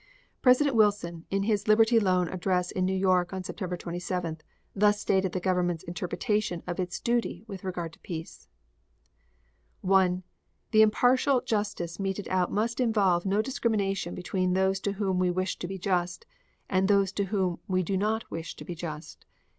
President Wilson, in his Liberty Loan address in New York on September 27th, thus stated this government's interpretation of its duty with regard to peace: 1. The impartial justice meted out must involve no discrimination between those to whom we wish to be just and those to whom we do not wish to be just.